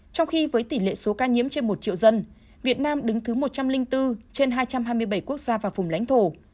trong khi với tỷ lệ số ca nhiễm trên một triệu dân việt nam đứng thứ một trăm linh bốn trên hai trăm hai mươi bảy quốc gia và vùng lãnh thổ